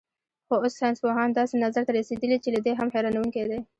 خو اوس ساینسپوهان داسې نظر ته رسېدلي چې له دې هم حیرانوونکی دی.